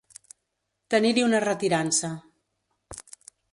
Tenir-hi una retirança.